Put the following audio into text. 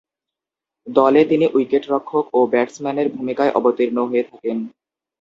দলে তিনি উইকেট-রক্ষক ও ব্যাটসম্যানের ভূমিকায় অবতীর্ণ হয়ে থাকেন।